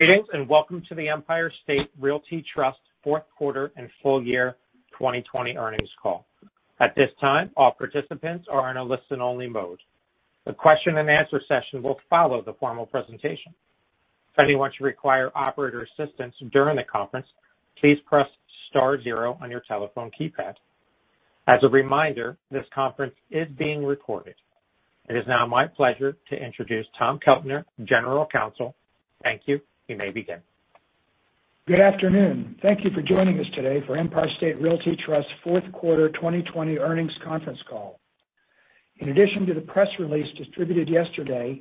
Greetings, welcome to the Empire State Realty Trust fourth quarter and full year 2020 earnings call. At this time, all participants are in a listen-only mode. The question and answer session will follow the formal presentation. If anyone should require operator assistance during the conference, please press star zero on your telephone keypad. As a reminder, this conference is being recorded. It is now my pleasure to introduce Tom Keltner, General Counsel. Thank you. You may begin. Good afternoon. Thank you for joining us today for Empire State Realty Trust fourth quarter 2020 earnings conference call. In addition to the press release distributed yesterday,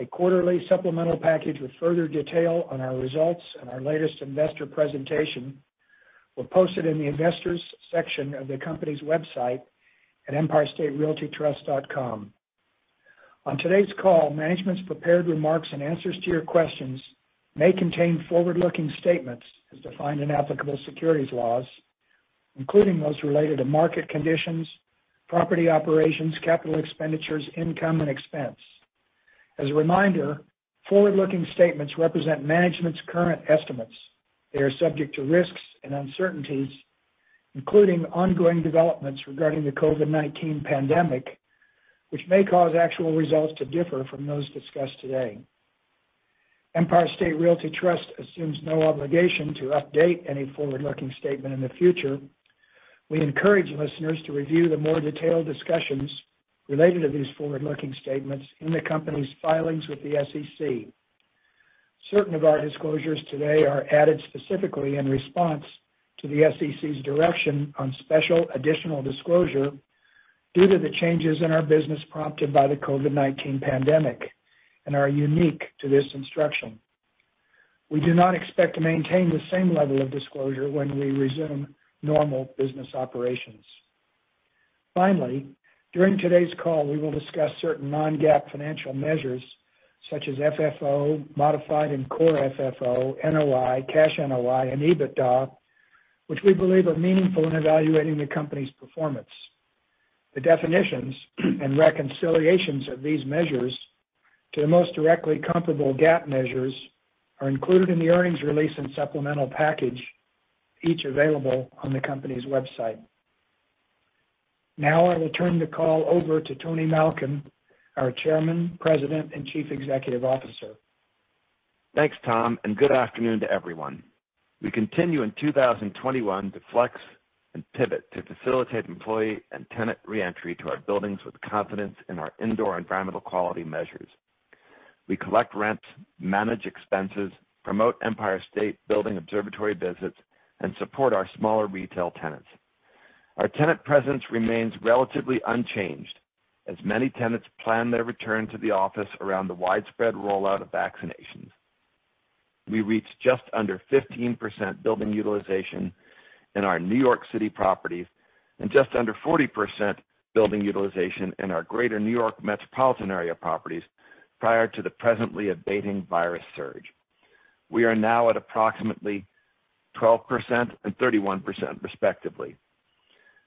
a quarterly supplemental package with further detail on our results and our latest investor presentation were posted in the Investors section of the company's website at empirestaterealtytrust.com. On today's call, management's prepared remarks and answers to your questions may contain forward-looking statements as defined in applicable securities laws, including those related to market conditions, property operations, capital expenditures, income, and expense. As a reminder, forward-looking statements represent management's current estimates. They are subject to risks and uncertainties, including ongoing developments regarding the COVID-19 pandemic, which may cause actual results to differ from those discussed today. Empire State Realty Trust assumes no obligation to update any forward-looking statement in the future. We encourage listeners to review the more detailed discussions related to these forward-looking statements in the company's filings with the SEC. Certain of our disclosures today are added specifically in response to the SEC's direction on special additional disclosure due to the changes in our business prompted by the COVID-19 pandemic and are unique to this instruction. We do not expect to maintain the same level of disclosure when we resume normal business operations. Finally, during today's call, we will discuss certain non-GAAP financial measures such as FFO, modified and core FFO, NOI, cash NOI, and EBITDA, which we believe are meaningful in evaluating the company's performance. The definitions and reconciliations of these measures to the most directly comparable GAAP measures are included in the earnings release and supplemental package, each available on the company's website. Now I will turn the call over to Tony Malkin, our Chairman, President, and Chief Executive Officer. Thanks, Tom. Good afternoon to everyone. We continue in 2021 to flex and pivot to facilitate employee and tenant re-entry to our buildings with confidence in our Indoor Environmental Quality measures. We collect rents, manage expenses, promote Empire State Building Observatory visits, and support our smaller retail tenants. Our tenant presence remains relatively unchanged as many tenants plan their return to the office around the widespread rollout of vaccinations. We reached just under 15% building utilization in our New York City properties and just under 40% building utilization in our greater New York metropolitan area properties prior to the presently abating virus surge. We are now at approximately 12% and 31% respectively.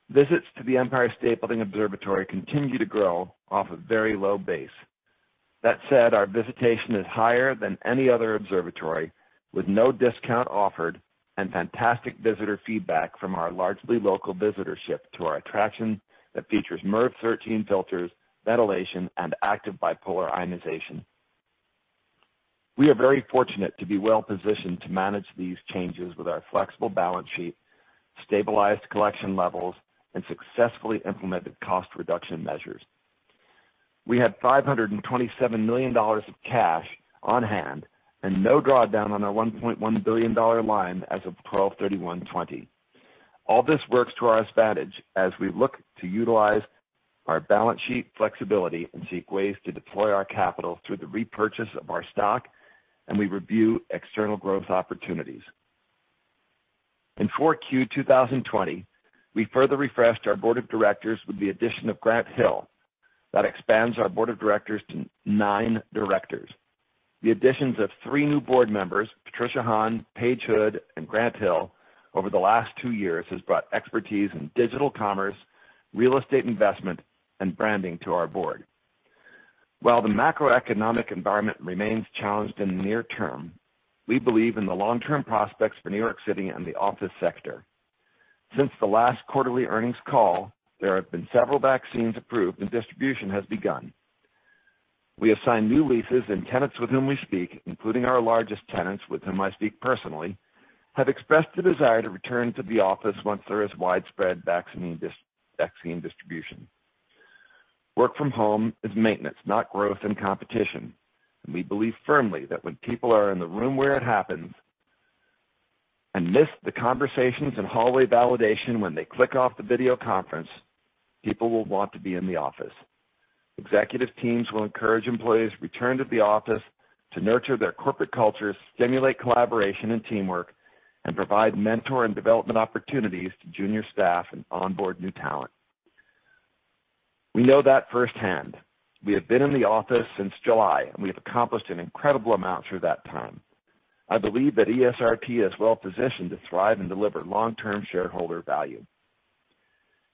Visits to the Empire State Building Observatory continue to grow off a very low base. That said, our visitation is higher than any other observatory, with no discount offered and fantastic visitor feedback from our largely local visitorship to our attraction that features MERV 13 filters, ventilation, and active bipolar ionization. We are very fortunate to be well positioned to manage these changes with our flexible balance sheet, stabilized collection levels, and successfully implemented cost reduction measures. We had $527 million of cash on hand and no drawdown on our $1.1 billion line as of 12/31/2020. All this works to our advantage as we look to utilize our balance sheet flexibility and seek ways to deploy our capital through the repurchase of our stock, and we review external growth opportunities. In 4Q 2020, we further refreshed our board of directors with the addition of Grant Hill. That expands our board of directors to nine directors. The additions of three new board members, Patricia Han, Paige Hood, and Grant Hill, over the last two years has brought expertise in digital commerce, real estate investment, and branding to our board. While the macroeconomic environment remains challenged in the near term, we believe in the long-term prospects for New York City and the office sector. Since the last quarterly earnings call, there have been several vaccines approved and distribution has begun. We have signed new leases, and tenants with whom we speak, including our largest tenants with whom I speak personally, have expressed the desire to return to the office once there is widespread vaccine distribution. Work from home is maintenance, not growth and competition. We believe firmly that when people are in the room where it happens and miss the conversations and hallway validation when they click off the video conference, people will want to be in the office. Executive teams will encourage employees return to the office to nurture their corporate cultures, stimulate collaboration and teamwork, and provide mentor and development opportunities to junior staff and onboard new talent. We know that firsthand. We have been in the office since July, and we have accomplished an incredible amount through that time. I believe that ESRT is well positioned to thrive and deliver long-term shareholder value.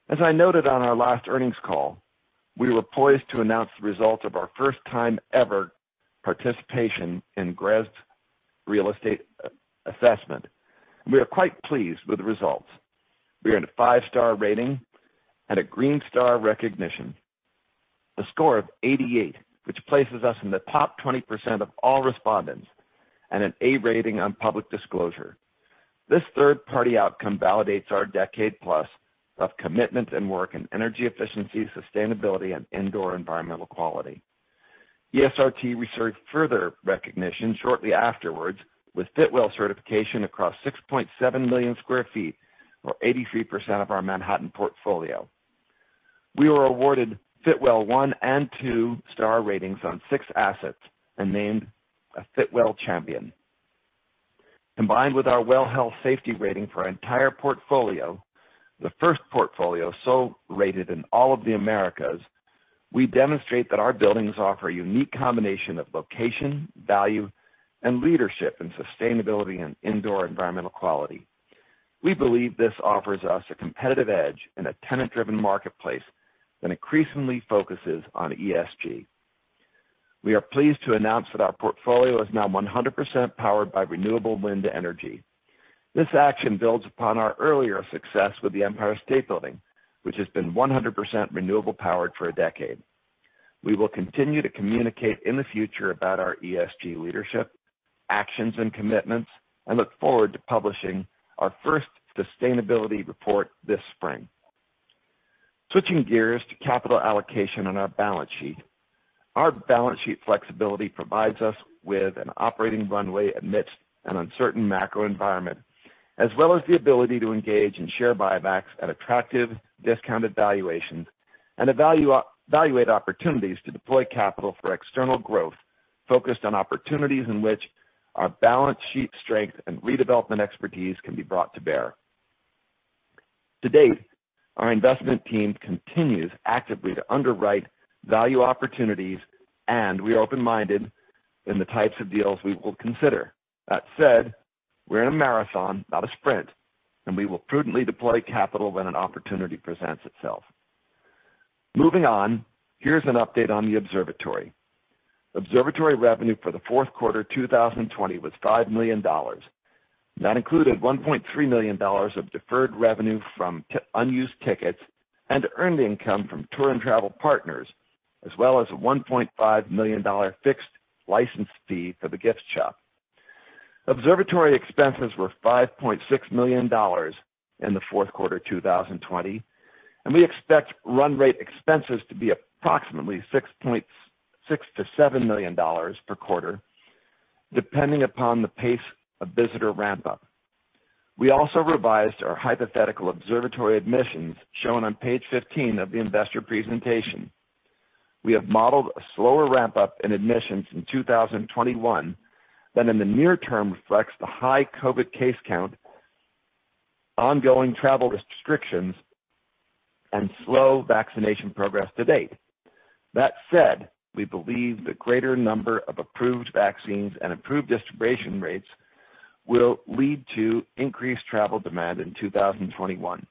As I noted on our last earnings call, we were poised to announce the results of our first-time ever participation in GRESB real estate assessment. We are quite pleased with the results. We earned a five-star rating and a green star recognition, a score of 88, which places us in the top 20% of all respondents, and an A rating on public disclosure. This third-party outcome validates our decade plus of commitment and work in energy efficiency, sustainability, and Indoor Environmental Quality. ESRT reserved further recognition shortly afterwards with Fitwel certification across 6.7 million sq ft, or 83% of our Manhattan portfolio. We were awarded Fitwel one and two star ratings on six assets and named a Fitwel Champion. Combined with our WELL Health Safety Rating for our entire portfolio, the first portfolio so rated in all of the Americas, we demonstrate that our buildings offer a unique combination of location, value, and leadership in sustainability and Indoor Environmental Quality. We believe this offers us a competitive edge in a tenant-driven marketplace that increasingly focuses on ESG. We are pleased to announce that our portfolio is now 100% powered by renewable wind energy. This action builds upon our earlier success with the Empire State Building, which has been 100% renewable powered for a decade. We will continue to communicate in the future about our ESG leadership, actions, and commitments, and look forward to publishing our first sustainability report this spring. Switching gears to capital allocation on our balance sheet. Our balance sheet flexibility provides us with an operating runway amidst an uncertain macro environment, as well as the ability to engage in share buybacks at attractive discounted valuations and evaluate opportunities to deploy capital for external growth focused on opportunities in which our balance sheet strength and redevelopment expertise can be brought to bear. To date, our investment team continues actively to underwrite value opportunities, and we are open-minded in the types of deals we will consider. That said, we're in a marathon, not a sprint. We will prudently deploy capital when an opportunity presents itself. Moving on, here's an update on the observatory. Observatory revenue for the fourth quarter 2020 was $5 million. That included $1.3 million of deferred revenue from unused tickets and earned income from tour and travel partners, as well as a $1.5 million fixed license fee for the gift shop. Observatory expenses were $5.6 million in the fourth quarter 2020. We expect run rate expenses to be approximately $6.6 million-$7 million per quarter, depending upon the pace of visitor ramp up. We also revised our hypothetical observatory admissions shown on page 15 of the investor presentation. We have modeled a slower ramp-up in admissions in 2021 than in the near term reflects the high COVID case count, ongoing travel restrictions, and slow vaccination progress to date. That said, we believe the greater number of approved vaccines and improved distribution rates will lead to increased travel demand in 2021.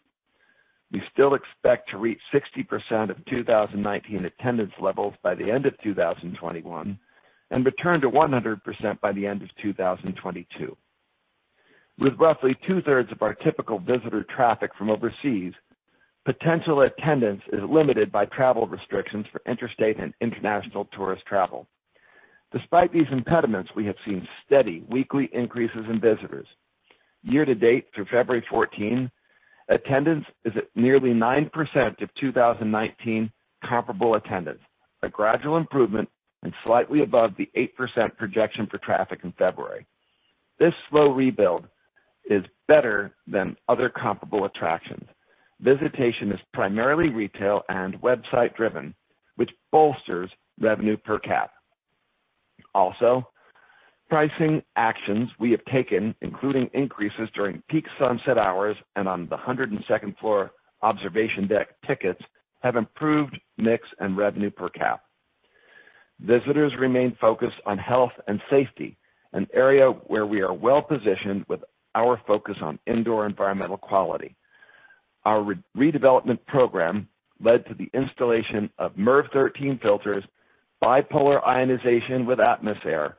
We still expect to reach 60% of 2019 attendance levels by the end of 2021 and return to 100% by the end of 2022. With roughly two-thirds of our typical visitor traffic from overseas, potential attendance is limited by travel restrictions for interstate and international tourist travel. Despite these impediments, we have seen steady weekly increases in visitors. Year to date through February 14, attendance is at nearly 9% of 2019 comparable attendance, a gradual improvement and slightly above the 8% projection for traffic in February. This slow rebuild is better than other comparable attractions. Visitation is primarily retail and website driven, which bolsters revenue per cap. Also, pricing actions we have taken, including increases during peak sunset hours and on the 102nd floor observation deck tickets have improved mix and revenue per cap. Visitors remain focused on health and safety, an area where we are well positioned with our focus on Indoor Environmental Quality. Our redevelopment program led to the installation of MERV 13 filters, bipolar ionization with AtmosAir,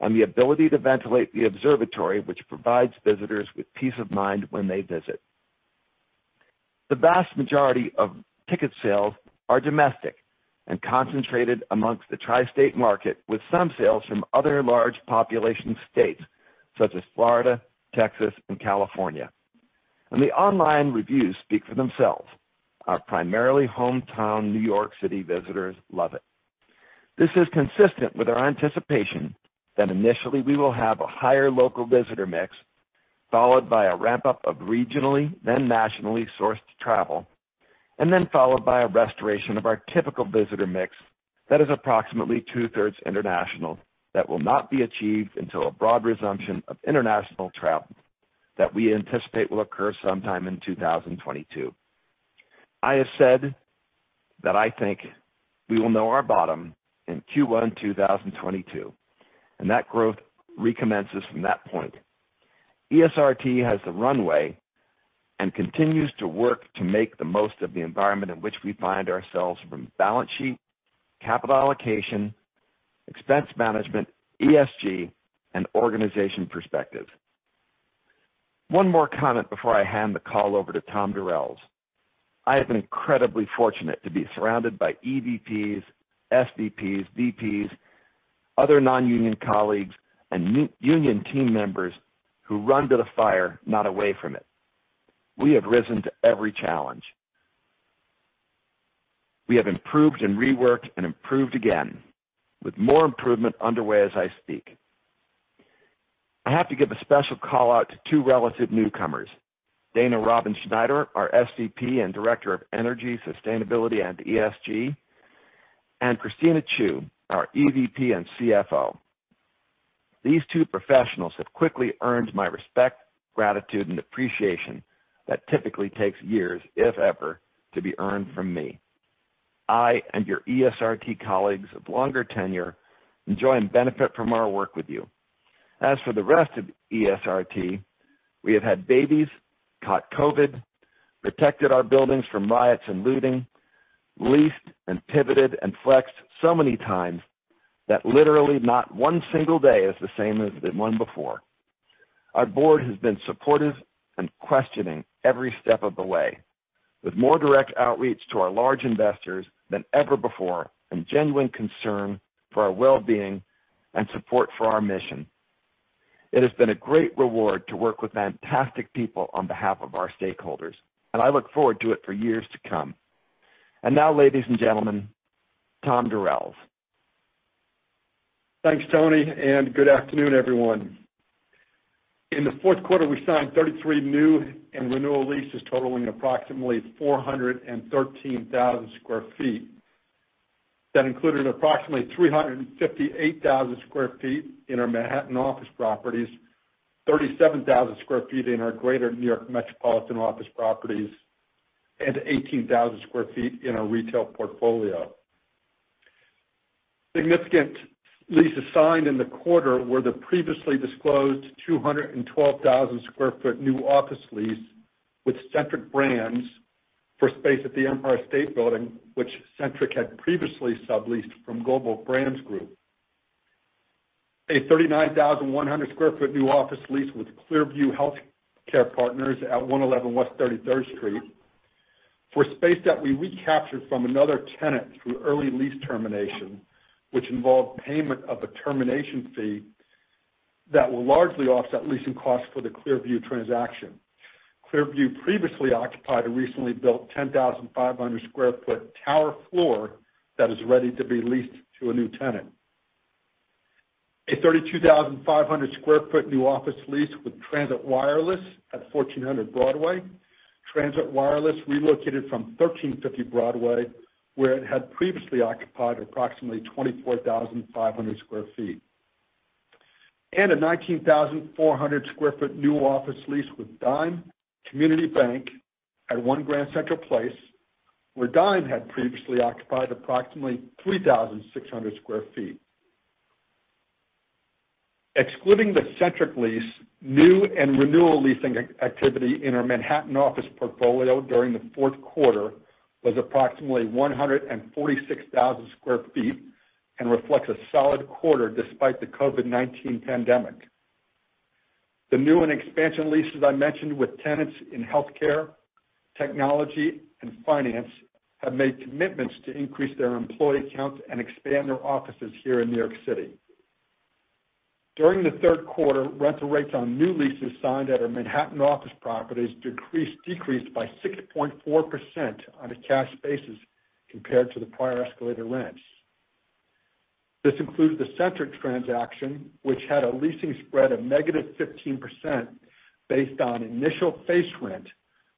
and the ability to ventilate the Observatory, which provides visitors with peace of mind when they visit. The vast majority of ticket sales are domestic and concentrated amongst the tri-state market, with some sales from other large population states such as Florida, Texas, and California. The online reviews speak for themselves. Our primarily hometown New York City visitors love it. This is consistent with our anticipation that initially we will have a higher local visitor mix, followed by a ramp-up of regionally then nationally sourced travel, and then followed by a restoration of our typical visitor mix that is approximately two-thirds international that will not be achieved until a broad resumption of international travel that we anticipate will occur sometime in 2022. I have said that I think we will know our bottom in Q1 2022, and that growth recommences from that point. ESRT has the runway and continues to work to make the most of the environment in which we find ourselves from balance sheet, capital allocation, expense management, ESG, and organization perspective. One more comment before I hand the call over to Tom Durels. I have been incredibly fortunate to be surrounded by EVPs, SVPs, VPs, other non-union colleagues, and union team members who run to the fire, not away from it. We have risen to every challenge. We have improved and reworked and improved again with more improvement underway as I speak. I have to give a special call-out to two relative newcomers, Dana Robbins Schneider, our SVP and Director of Energy, Sustainability and ESG, and Christina Chiu, our EVP and CFO. These two professionals have quickly earned my respect, gratitude, and appreciation that typically takes years, if ever, to be earned from me. I and your ESRT colleagues of longer tenure enjoy and benefit from our work with you. As for the rest of ESRT, we have had babies, caught COVID, protected our buildings from riots and looting, leased and pivoted and flexed so many times that literally not one single day is the same as the one before. Our board has been supportive and questioning every step of the way, with more direct outreach to our large investors than ever before and genuine concern for our well-being and support for our mission. It has been a great reward to work with fantastic people on behalf of our stakeholders. I look forward to it for years to come. Now, ladies and gentlemen, Tom Durels. Thanks, Tony, and good afternoon, everyone. In the fourth quarter, we signed 33 new and renewal leases totaling approximately 413,000 sq ft. That included approximately 358,000 square feet in our Manhattan office properties, 37,000 sq ft in our greater New York metropolitan office properties, and 18,000 sq ft in our retail portfolio. Significant leases signed in the quarter were the previously disclosed 212,000 sq ft new office lease with Centric Brands for space at the Empire State Building, which Centric had previously subleased from Global Brands Group. A 39,100 sq ft new office lease with ClearView Healthcare Partners at 111 West 33rd Street for space that we recaptured from another tenant through early lease termination, which involved payment of a termination fee that will largely offset leasing costs for the ClearView transaction. ClearView previously occupied a recently built 10,500 sq ft tower floor that is ready to be leased to a new tenant. A 32,500 sq ft new office lease with Transit Wireless at 1400 Broadway. Transit Wireless relocated from 1350 Broadway, where it had previously occupied approximately 24,500 sq ft. A 19,400 sq ft new office lease with Dime Community Bank at One Grand Central Place, where Dime had previously occupied approximately 3,600 sq ft. Excluding the Centric lease, new and renewal leasing activity in our Manhattan office portfolio during the fourth quarter was approximately 146,000 sq ft and reflects a solid quarter despite the COVID-19 pandemic. The new and expansion leases I mentioned with tenants in healthcare, technology, and finance have made commitments to increase their employee count and expand their offices here in New York City. During the third quarter, rental rates on new leases signed at our Manhattan office properties decreased by 6.4% on a cash basis compared to the prior escalated rents. This includes the Centric transaction, which had a leasing spread of -15% based on initial face rent,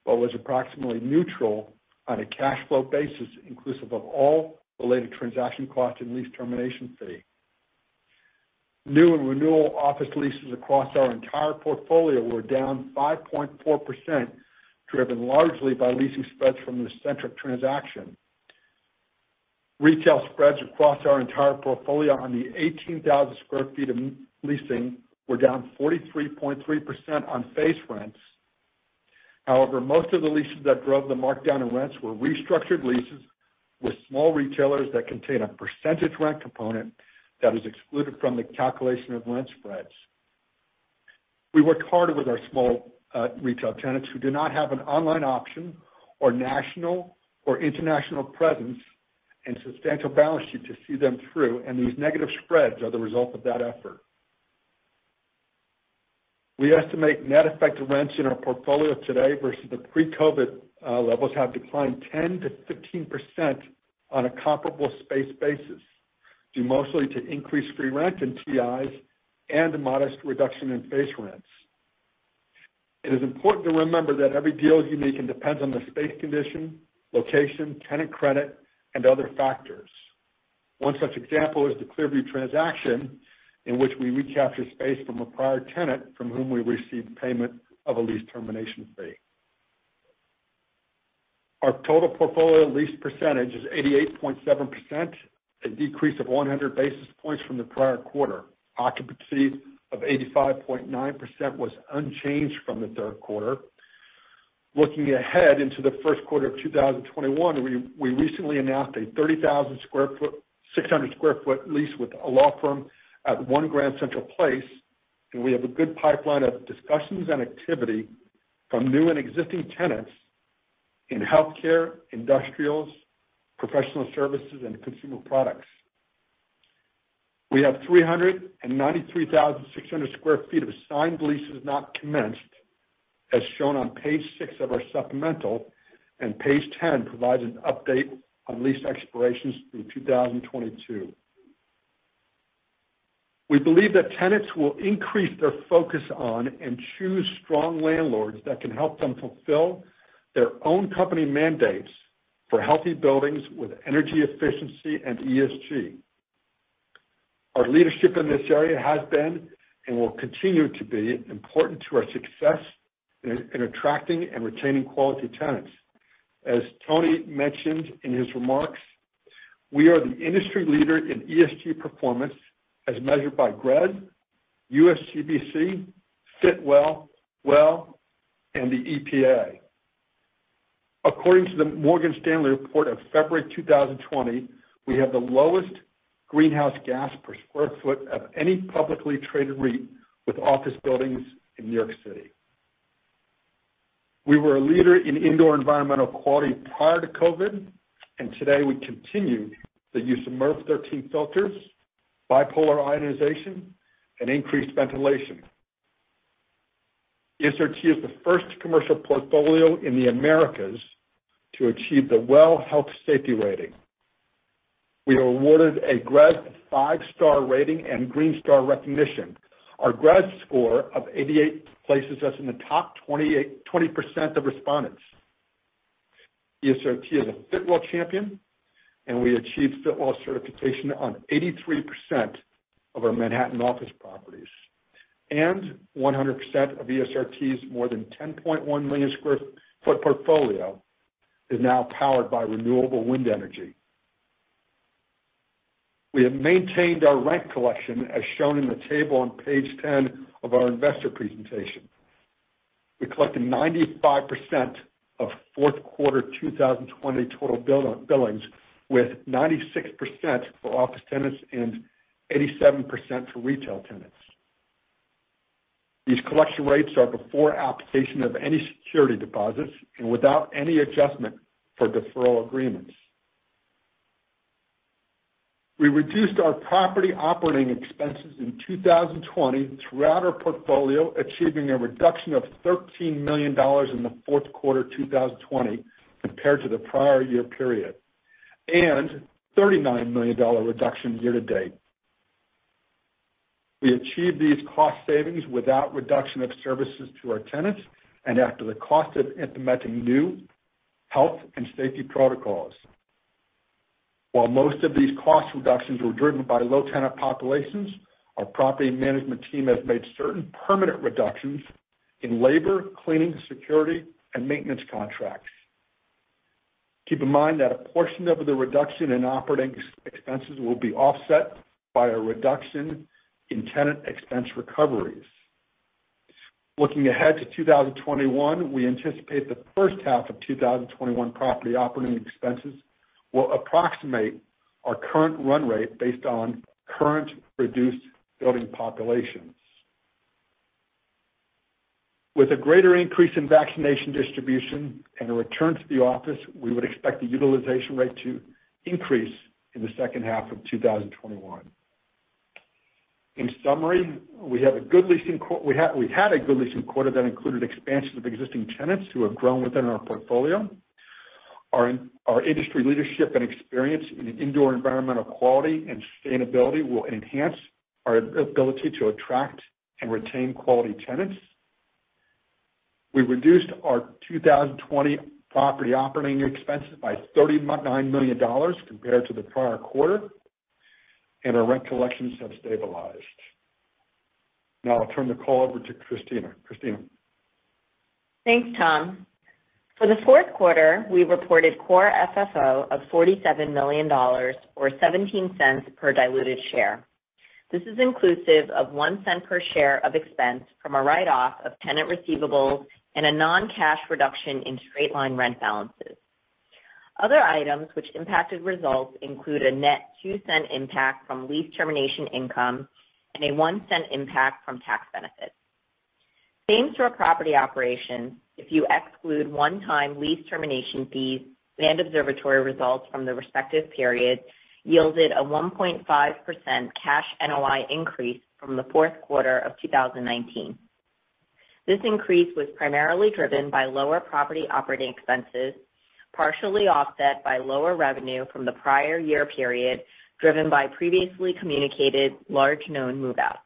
but was approximately neutral on a cash flow basis, inclusive of all related transaction costs and lease termination fee. New and renewal office leases across our entire portfolio were down 5.4%, driven largely by leasing spreads from the Centric transaction. Retail spreads across our entire portfolio on the 18,000 sq ft of leasing were down 43.3% on face rents. Most of the leases that drove the markdown in rents were restructured leases with small retailers that contain a percentage rent component that is excluded from the calculation of rent spreads. We worked hard with our small retail tenants who do not have an online option or national or international presence and substantial balance sheet to see them through, and these negative spreads are the result of that effort. We estimate net effect of rents in our portfolio today versus the pre-COVID levels have declined 10% to 15% on a comparable space basis, due mostly to increased free rent and TIs and a modest reduction in face rents. It is important to remember that every deal is unique and depends on the space condition, location, tenant credit, and other factors. One such example is the ClearView transaction, in which we recapture space from a prior tenant from whom we received payment of a lease termination fee. Our total portfolio lease percentage is 88.7%, a decrease of 100 basis points from the prior quarter. Occupancy of 85.9% was unchanged from the third quarter. Looking ahead into the first quarter of 2021, we recently announced a 30,600 sq ft lease with a law firm at One Grand Central Place. We have a good pipeline of discussions and activity from new and existing tenants in healthcare, industrials, professional services, and consumer products. We have 393,600 sq ft of signed leases not commenced, as shown on page six of our supplemental. Page 10 provides an update on lease expirations through 2022. We believe that tenants will increase their focus on and choose strong landlords that can help them fulfill their own company mandates for healthy buildings with energy efficiency and ESG. Our leadership in this area has been and will continue to be important to our success in attracting and retaining quality tenants. As Tony mentioned in his remarks, we are the industry leader in ESG performance as measured by GRESB, USGBC, Fitwel, WELL, and the EPA. According to the Morgan Stanley report of February 2020, we have the lowest greenhouse gas per square foot of any publicly traded REIT with office buildings in New York City. We were a leader in indoor environmental quality prior to COVID, and today we continue the use of MERV 13 filters, bipolar ionization, and increased ventilation. ESRT is the first commercial portfolio in the Americas to achieve the WELL Health-Safety Rating. We were awarded a GRESB five-star rating and Green Star recognition. Our GRESB score of 88 places us in the top 20% of respondents. ESRT is a Fitwel champion. We achieved Fitwel certification on 83% of our Manhattan office properties. 100% of ESRT's more than 10.1 million square foot portfolio is now powered by renewable wind energy. We have maintained our rent collection as shown in the table on page 10 of our investor presentation. We collected 95% of fourth quarter 2020 total billings, with 96% for office tenants and 87% for retail tenants. These collection rates are before application of any security deposits and without any adjustment for deferral agreements. We reduced our property operating expenses in 2020 throughout our portfolio, achieving a reduction of $13 million in the fourth quarter 2020 compared to the prior year period, and $39 million reduction year to date. We achieved these cost savings without reduction of services to our tenants and after the cost of implementing new health and safety protocols. While most of these cost reductions were driven by low tenant populations, our property management team has made certain permanent reductions in labor, cleaning, security, and maintenance contracts. Keep in mind that a portion of the reduction in operating expenses will be offset by a reduction in tenant expense recoveries. Looking ahead to 2021, we anticipate the first half of 2021 property operating expenses will approximate our current run rate based on current reduced building populations. With a greater increase in vaccination distribution and a return to the office, we would expect the utilization rate to increase in the second half of 2021. In summary, we had a good leasing quarter that included expansions of existing tenants who have grown within our portfolio. Our industry leadership and experience in indoor environmental quality and sustainability will enhance our ability to attract and retain quality tenants. We reduced our 2020 property operating expenses by $39 million compared to the prior quarter, and our rent collections have stabilized. Now I'll turn the call over to Christina. Christina? Thanks, Tom. For the fourth quarter, we reported core FFO of $47 million, or $0.17 per diluted share. This is inclusive of $0.01 per share of expense from a write-off of tenant receivables and a non-cash reduction in straight-line rent balances. Other items which impacted results include a net $0.02 impact from lease termination income and a $0.01 impact from tax benefits. Same-store property operations, if you exclude one-time lease termination fees and observatory results from the respective periods, yielded a 1.5% cash NOI increase from the fourth quarter of 2019. This increase was primarily driven by lower property operating expenses, partially offset by lower revenue from the prior year period, driven by previously communicated large known move-outs.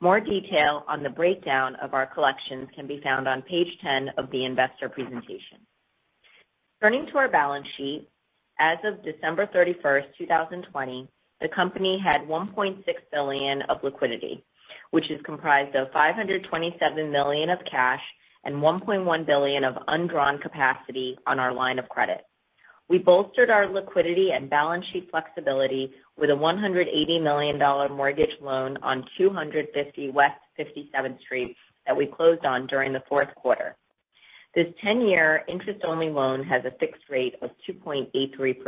More detail on the breakdown of our collections can be found on page 10 of the investor presentation. Turning to our balance sheet. As of December 31st, 2020, the company had $1.6 billion of liquidity, which is comprised of $527 million of cash and $1.1 billion of undrawn capacity on our line of credit. We bolstered our liquidity and balance sheet flexibility with a $180 million mortgage loan on 250 West 57th Street that we closed on during the fourth quarter. This 10-year interest-only loan has a fixed rate of 2.83%.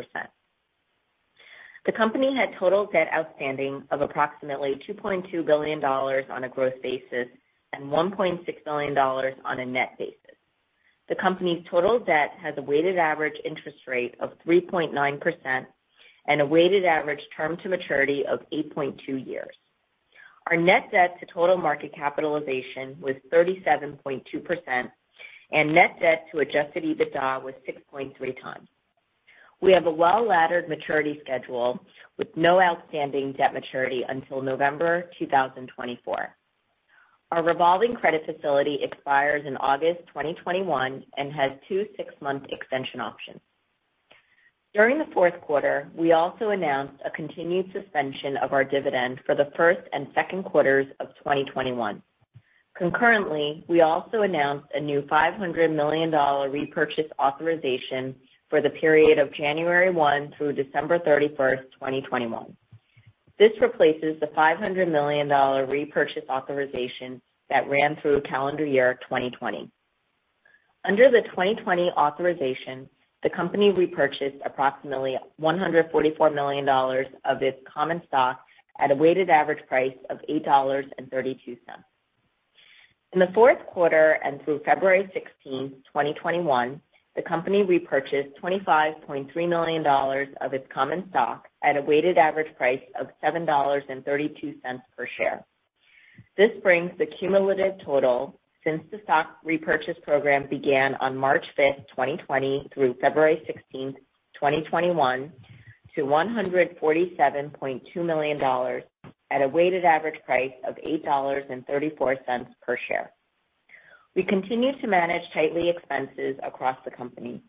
The company had total debt outstanding of approximately $2.2 billion on a gross basis and $1.6 billion on a net basis. The company's total debt has a weighted average interest rate of 3.9% and a weighted average term to maturity of 8.2 years. Our net debt to total market capitalization was 37.2%, and net debt to adjusted EBITDA was 6.3 times. We have a well-laddered maturity schedule with no outstanding debt maturity until November 2024. Our revolving credit facility expires in August 2021 and has two six-month extension options. During the fourth quarter, we also announced a continued suspension of our dividend for the first and second quarters of 2021. Concurrently, we also announced a new $500 million repurchase authorization for the period of January 1 through December 31st, 2021. This replaces the $500 million repurchase authorization that ran through calendar year 2020. Under the 2020 authorization, the company repurchased approximately $144 million of its common stock at a weighted average price of $8.32. In the fourth quarter and through February 16th, 2021, the company repurchased $25.3 million of its common stock at a weighted average price of $7.32 per share. This brings the cumulative total since the stock repurchase program began on March 5th, 2020 through February 16th, 2021 to $147.2 million at a weighted average price of $8.34 per share. We continue to manage tightly expenses across the company.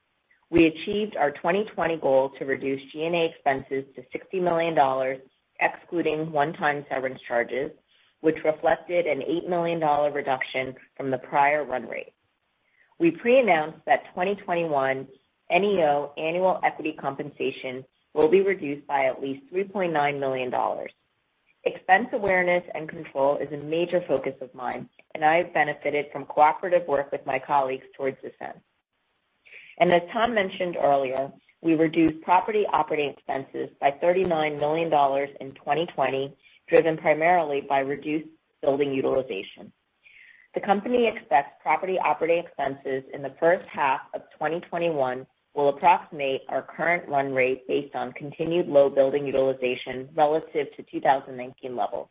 We achieved our 2020 goal to reduce G&A expenses to $60 million, excluding one-time severance charges, which reflected an $8 million reduction from the prior run rate. We pre-announced that 2021 NEO annual equity compensation will be reduced by at least $3.9 million. Expense awareness and control is a major focus of mine, I have benefited from cooperative work with my colleagues towards this end. As Tom mentioned earlier, we reduced property operating expenses by $39 million in 2020, driven primarily by reduced building utilization. The company expects property operating expenses in the first half of 2021 will approximate our current run rate based on continued low building utilization relative to 2019 levels.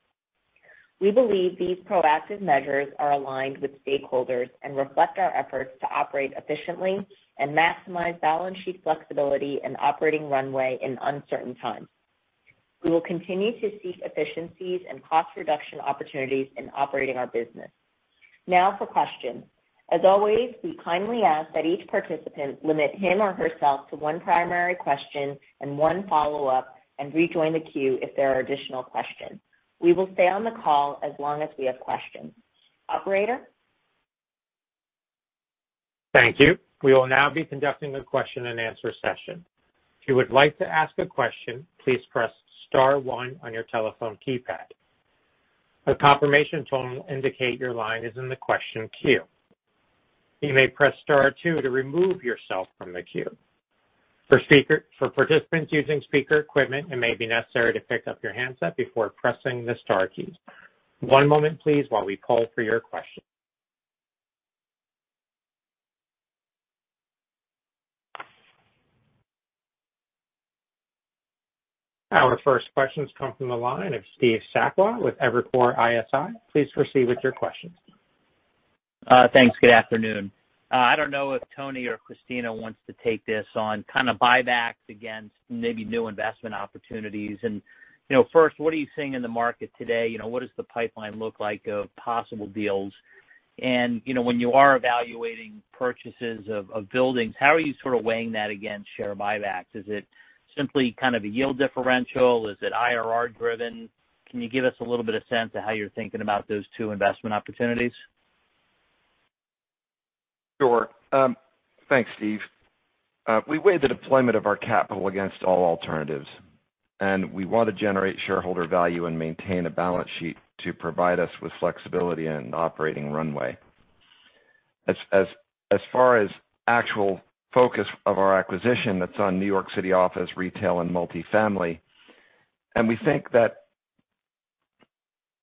We believe these proactive measures are aligned with stakeholders and reflect our efforts to operate efficiently and maximize balance sheet flexibility and operating runway in uncertain times. We will continue to seek efficiencies and cost reduction opportunities in operating our business. Now for questions. As always, we kindly ask that each participant limit him or herself to one primary question and one follow-up and rejoin the queue if there are additional questions. We will stay on the call as long as we have questions. Operator? Thank you. We will now be conducting a question and answer session. If you would like to ask a question, please press star one on your telephone keypad. A confirmation tone will indicate your line is in the question queue. You may press star two to remove yourself from the queue. For participants using speaker equipment, it may be necessary to pick up your handset before pressing the star keys. One moment, please, while we call for your question. Our first questions come from the line of Steve Sakwa with Evercore ISI. Please proceed with your questions. Thanks. Good afternoon. I don't know if Tony or Christina wants to take this on kind of buybacks against maybe new investment opportunities. First, what are you seeing in the market today? What does the pipeline look like of possible deals? When you are evaluating purchases of buildings, how are you sort of weighing that against share buybacks? Is it simply kind of a yield differential? Is it IRR driven? Can you give us a little bit of sense of how you're thinking about those two investment opportunities? Sure. Thanks, Steve. We weigh the deployment of our capital against all alternatives, and we want to generate shareholder value and maintain a balance sheet to provide us with flexibility and operating runway. As far as actual focus of our acquisition, that's on New York City office retail and multifamily. We think that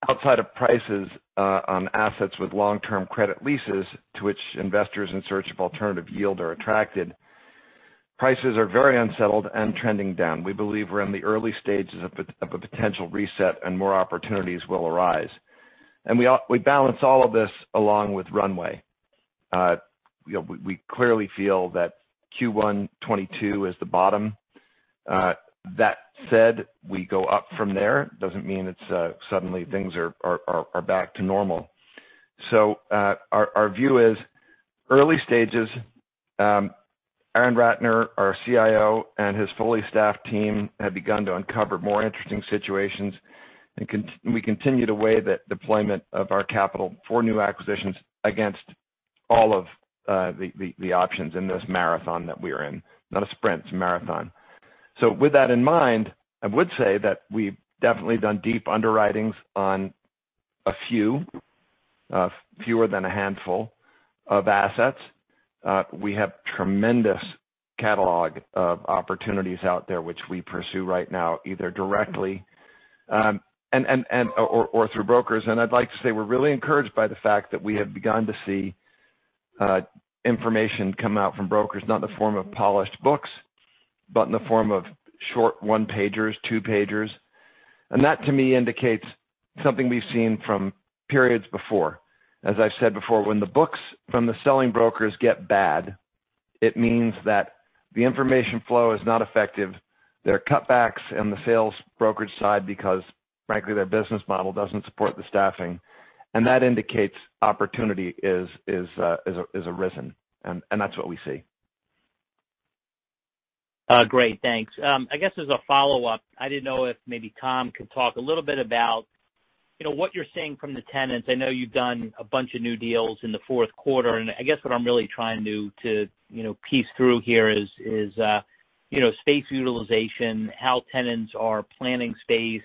outside of prices on assets with long-term credit leases to which investors in search of alternative yield are attracted, prices are very unsettled and trending down. We believe we're in the early stages of a potential reset and more opportunities will arise. We balance all of this along with runway. We clearly feel that Q1 2022 is the bottom. That said, we go up from there. Doesn't mean suddenly things are back to normal. Our view is early stages. Aaron Ratner, our CIO, and his fully staffed team have begun to uncover more interesting situations, and we continue to weigh the deployment of our capital for new acquisitions against all of the options in this marathon that we are in. Not a sprint, it's a marathon. With that in mind, I would say that we've definitely done deep underwritings on a few, fewer than a handful of assets. We have tremendous catalog of opportunities out there, which we pursue right now, either directly or through brokers. I'd like to say we're really encouraged by the fact that we have begun to see information come out from brokers, not in the form of polished books, but in the form of short one-pagers, two-pagers. That, to me, indicates something we've seen from periods before. As I've said before, when the books from the selling brokers get bad, it means that the information flow is not effective. There are cutbacks in the sales brokerage side because frankly, their business model doesn't support the staffing, and that indicates opportunity is arisen, and that's what we see. Great. Thanks. I guess as a follow-up, I didn't know if maybe Tom could talk a little bit about what you're seeing from the tenants. I know you've done a bunch of new deals in the fourth quarter, and I guess what I'm really trying to piece through here is space utilization, how tenants are planning space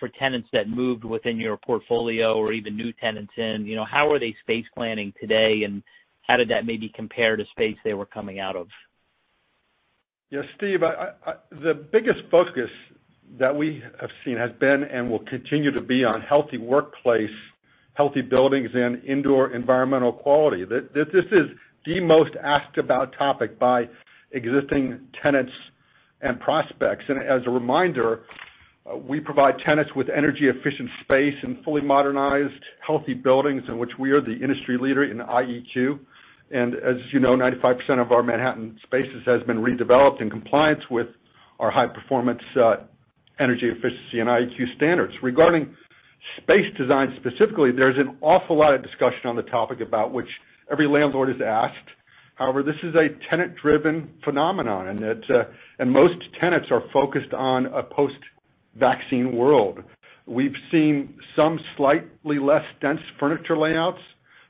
for tenants that moved within your portfolio or even new tenants in. How are they space planning today, and how did that maybe compare to space they were coming out of? Yeah, Steve, the biggest focus that we have seen has been and will continue to be on healthy workplace, healthy buildings, and indoor environmental quality. This is the most asked about topic by existing tenants and prospects. As a reminder, we provide tenants with energy efficient space and fully modernized healthy buildings in which we are the industry leader in IEQ. As you know, 95% of our Manhattan spaces has been redeveloped in compliance with our high performance, energy efficiency, and IEQ standards. Regarding space design specifically, there's an awful lot of discussion on the topic about which every landlord is asked. However, this is a tenant-driven phenomenon, and most tenants are focused on a post-vaccine world. We've seen some slightly less dense furniture layouts,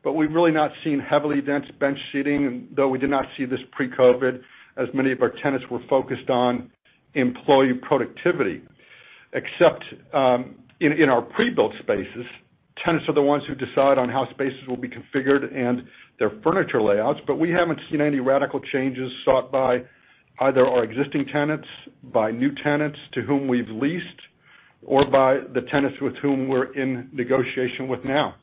but we've really not seen heavily dense bench seating, though we did not see this pre-COVID, as many of our tenants were focused on employee productivity. Except in our pre-built spaces, tenants are the ones who decide on how spaces will be configured and their furniture layouts, but we haven't seen any radical changes sought by either our existing tenants, by new tenants to whom we've leased, or by the tenants with whom we're in negotiation with now.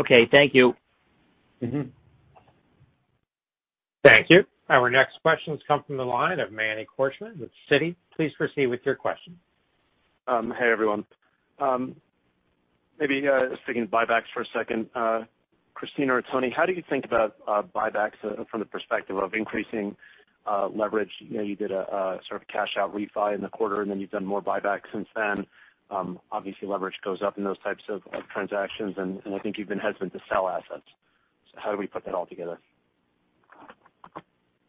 Okay. Thank you. Thank you. Our next questions come from the line of Manny Korchman with Citi. Please proceed with your question. Hey, everyone. Maybe speaking buybacks for a second. Christina or Tony, how do you think about buybacks from the perspective of increasing leverage? You did a sort of cash out refi in the quarter, and then you've done more buybacks since then. Obviously, leverage goes up in those types of transactions, and I think you've been hesitant to sell assets. How do we put that all together?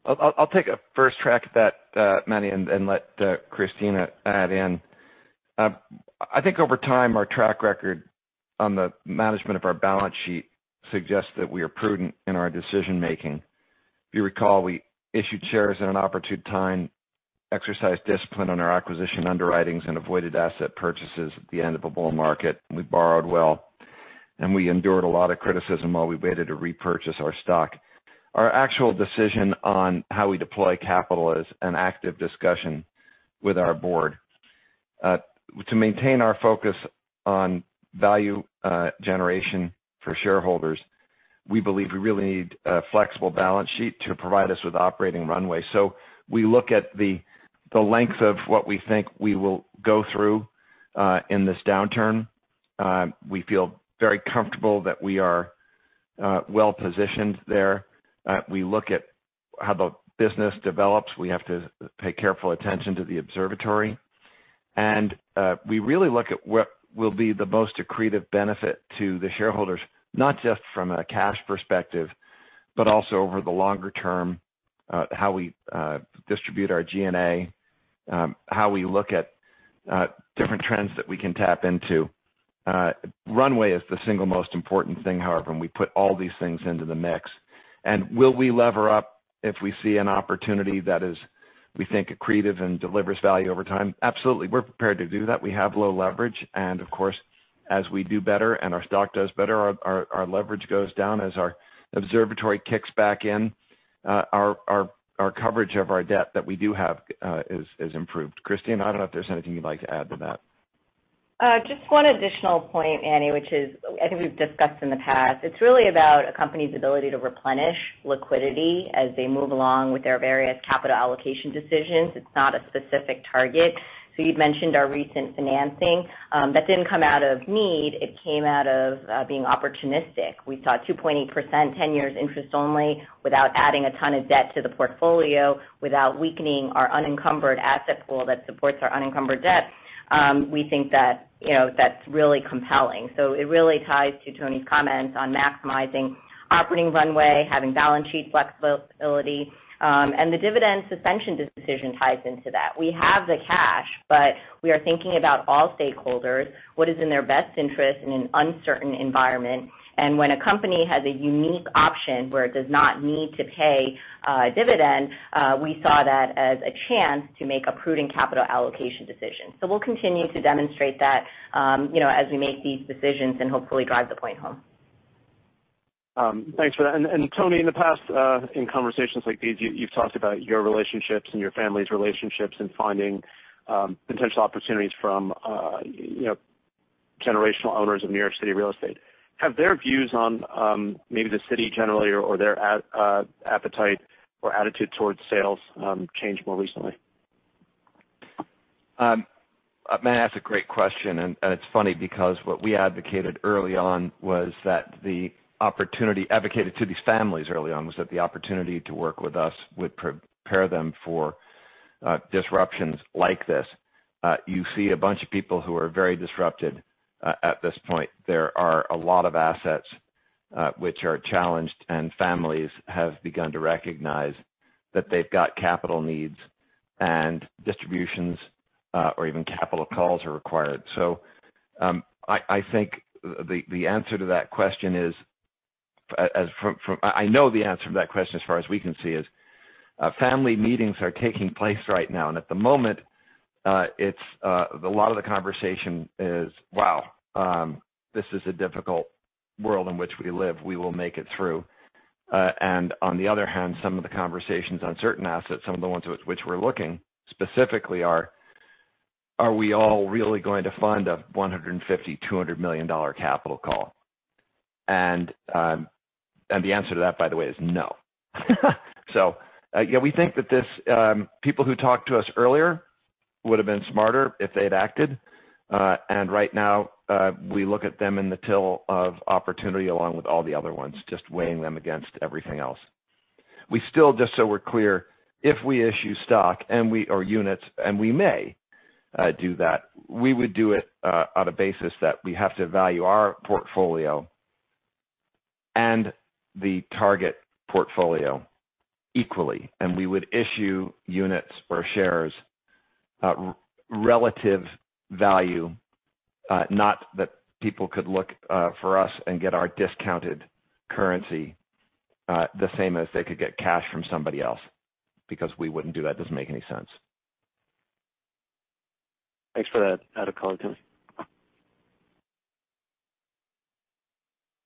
I'll take a first crack at that, Manny, and let Christina add in. I think over time, our track record on the management of our balance sheet suggests that we are prudent in our decision-making. If you recall, we issued shares in an opportune time, exercised discipline on our acquisition underwritings, and avoided asset purchases at the end of a bull market. We borrowed well, and we endured a lot of criticism while we waited to repurchase our stock. Our actual decision on how we deploy capital is an active discussion with our board. To maintain our focus on value generation for shareholders, we believe we really need a flexible balance sheet to provide us with operating runway. We look at the length of what we think we will go through in this downturn. We feel very comfortable that we are well positioned there. We look at how the business develops. We have to pay careful attention to the observatory. We really look at what will be the most accretive benefit to the shareholders, not just from a cash perspective, but also over the longer term how we distribute our G&A, how we look at different trends that we can tap into. Runway is the single most important thing, however, and we put all these things into the mix. Will we lever up if we see an opportunity that is, we think, accretive and delivers value over time? Absolutely. We're prepared to do that. We have low leverage. Of course, as we do better and our stock does better, our leverage goes down as our observatory kicks back in. Our coverage of our debt that we do have is improved. Christina, I don't know if there's anything you'd like to add to that. Just one additional point, Manny, which I think we've discussed in the past. It's really about a company's ability to replenish liquidity as they move along with their various capital allocation decisions. It's not a specific target. You'd mentioned our recent financing. That didn't come out of need. It came out of being opportunistic. We saw 2.8% 10-year interest only without adding a ton of debt to the portfolio, without weakening our unencumbered asset pool that supports our unencumbered debt. We think that's really compelling. It really ties to Tony's comments on maximizing operating runway, having balance sheet flexibility, and the dividend suspension decision ties into that. We have the cash, but we are thinking about all stakeholders, what is in their best interest in an uncertain environment. When a company has a unique option where it does not need to pay a dividend, we saw that as a chance to make a prudent capital allocation decision. We'll continue to demonstrate that as we make these decisions and hopefully drive the point home. Thanks for that. Tony, in the past, in conversations like these, you've talked about your relationships and your family's relationships and finding potential opportunities from generational owners of New York City real estate. Have their views on maybe the city generally or their appetite or attitude towards sales changed more recently? Manny, that's a great question, and it's funny because what we advocated to these families early on was that the opportunity to work with us would prepare them for disruptions like this. You see a bunch of people who are very disrupted at this point. There are a lot of assets which are challenged, and families have begun to recognize that they've got capital needs and distributions, or even capital calls are required. I think the answer to that question is I know the answer to that question, as far as we can see is, family meetings are taking place right now, and at the moment, a lot of the conversation is, "Wow, this is a difficult world in which we live. We will make it through." On the other hand, some of the conversations on certain assets, some of the ones which we're looking specifically are we all really going to fund a $150 million-$200 million capital call? The answer to that, by the way, is no. Yeah, we think that people who talked to us earlier would have been smarter if they had acted. Right now, we look at them in the till of opportunity along with all the other ones, just weighing them against everything else. We still, just so we're clear, if we issue stock or units, and we may do that, we would do it on a basis that we have to value our portfolio and the target portfolio equally, and we would issue units or shares at relative value, not that people could look for us and get our discounted currency the same as they could get cash from somebody else, because we wouldn't do that. It doesn't make any sense. Thanks for that. Back to you.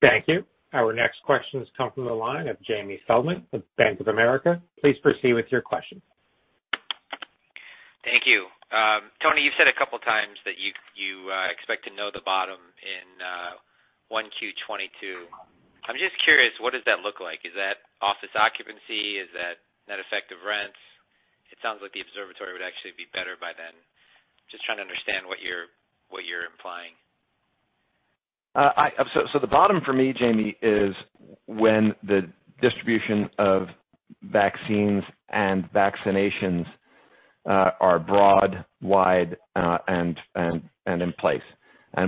Thank you. Our next question comes from the line of Jamie Feldman with Bank of America. Please proceed with your question. Thank you. Tony, you've said a couple of times that you expect to know the bottom in 1Q 2022. I'm just curious, what does that look like? Is that office occupancy? Is that net effective rents? It sounds like the Observatory would actually be better by then. Just trying to understand what you're implying. The bottom for me, Jamie, is when the distribution of vaccines and vaccinations are broad, wide, and in place.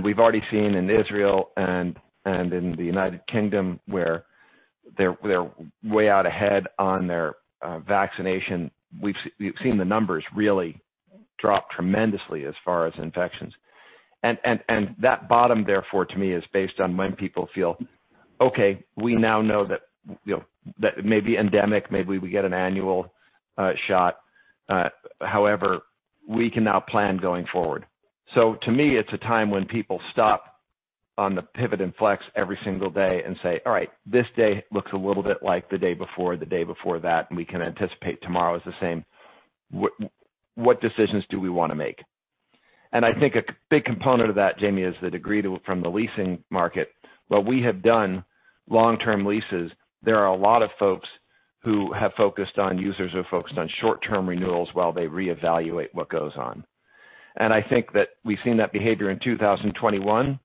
We've already seen in Israel and in the United Kingdom, where they're way out ahead on their vaccination, we've seen the numbers really drop tremendously as far as infections. That bottom, therefore, to me, is based on when people feel, okay, we now know that it may be endemic, maybe we get an annual shot. However, we can now plan going forward. To me, it's a time when people stop on the pivot and flex every single day and say, "All right, this day looks a little bit like the day before, the day before that, and we can anticipate tomorrow is the same. What decisions do we want to make?" I think a big component of that, Jamie, is the degree from the leasing market. While we have done long-term leases, there are a lot of folks who have focused on users, who have focused on short-term renewals while they reevaluate what goes on. I think that we've seen that behavior in 2021.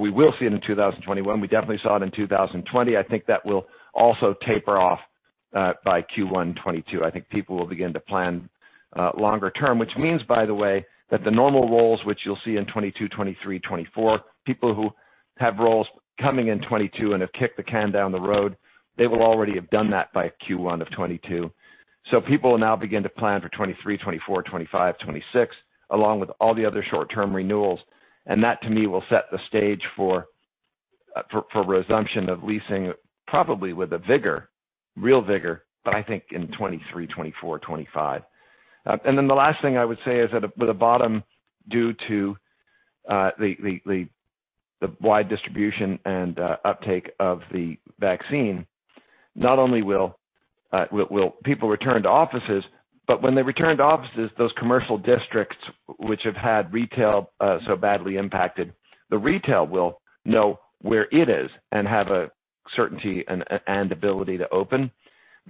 We will see it in 2021. We definitely saw it in 2020. I think that will also taper off by Q1 2022. I think people will begin to plan longer term, which means, by the way, that the normal rolls, which you'll see in 2022, 2023, 2024, people who have rolls coming in 2022 and have kicked the can down the road, they will already have done that by Q1 of 2022. People will now begin to plan for 2023, 2024, 2025, 2026, along with all the other short-term renewals. That, to me, will set the stage for resumption of leasing, probably with a vigor, real vigor, but I think in 2023, 2024, 2025. The last thing I would say is that with the bottom due to the wide distribution and uptake of the vaccine, not only will people return to offices, but when they return to offices, those commercial districts which have had retail so badly impacted, the retail will know where it is and have a certainty and ability to open.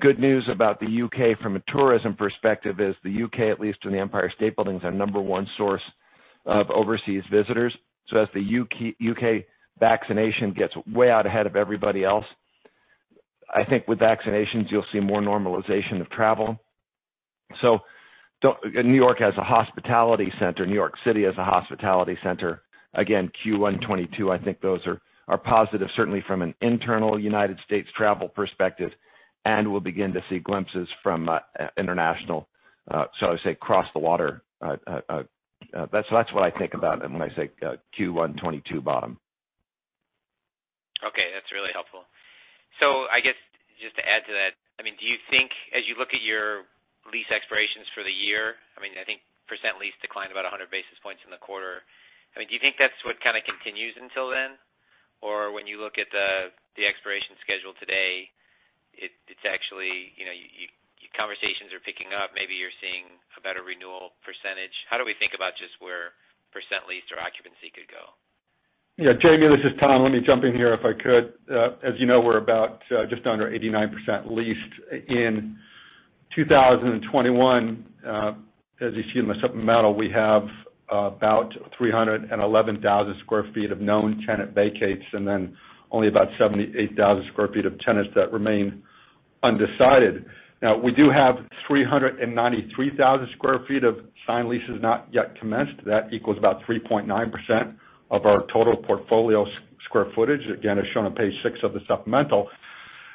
Good news about the U.K. from a tourism perspective is the U.K., at least to the Empire State Building, is our number one source of overseas visitors. As the U.K. vaccination gets way out ahead of everybody else, I think with vaccinations you'll see more normalization of travel. New York has a hospitality center. New York City has a hospitality center. Q1 2022, I think those are positive, certainly from an internal U.S. travel perspective. We'll begin to see glimpses from international, shall I say, across the water. That's what I think about when I say Q1 2022 bottom. Okay, that's really helpful. I guess just to add to that, do you think as you look at your lease expirations for the year, I think percent lease declined about 100 basis points in the quarter. Do you think that's what kind of continues until then? When you look at the expiration schedule today, it's actually conversations are picking up, maybe you're seeing a better renewal percentage. How do we think about just where percent leased or occupancy could go? Yeah, Jamie, this is Tom. Let me jump in here if I could. As you know, we're about just under 89% leased. In 2021, as you see in the supplemental, we have about 311,000 sq ft of known tenant vacates, only about 78,000 sq ft of tenants that remain undecided. We do have 393,000 sq ft of signed leases not yet commenced. That equals about 3.9% of our total portfolio square footage, again, as shown on page six of the supplemental.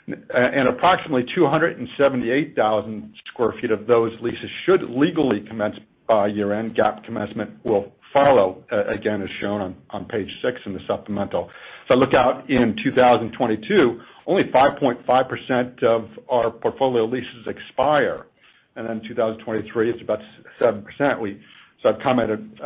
Approximately 278,000 sq ft of those leases should legally commence by year-end. GAAP commencement will follow, again, as shown on page six in the supplemental. Look out in 2022, only 5.5% of our portfolio leases expire. In 2023, it's about 7%. I've commented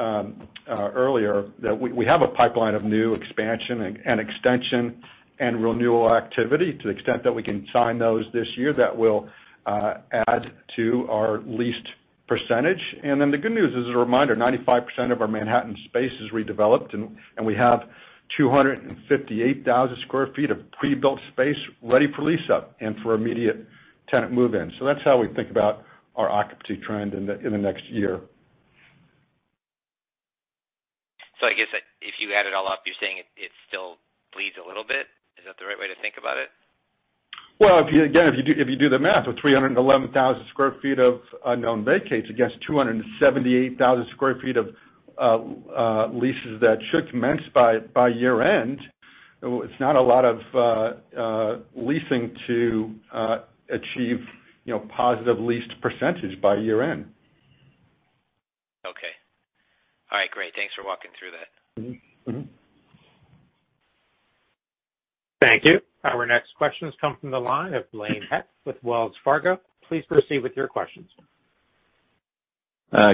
earlier that we have a pipeline of new expansion and extension and renewal activity to the extent that we can sign those this year that will add to our leased percentage. The good news is, as a reminder, 95% of our Manhattan space is redeveloped, and we have 258,000 sq ft of pre-built space ready for lease-up and for immediate tenant move-in. That's how we think about our occupancy trend in the next year. I guess if you add it all up, you're saying it still bleeds a little bit. Is that the right way to think about it? Well, again, if you do the math with 311,000 sq ft of known vacates against 278,000 sq ft of leases that should commence by year-end, it's not a lot of leasing to achieve positive leased percent by year-end. Okay. All right, great. Thanks for walking through that. Thank you. Our next question comes from the line of Blaine Heck with Wells Fargo. Please proceed with your questions.